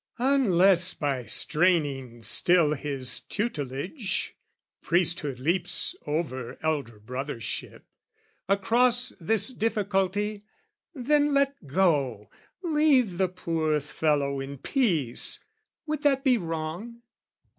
Unless by straining still his tutelage (Priesthood leaps over elder brothership) Across this difficulty: then let go, Leave the poor fellow in peace! Would that be wrong?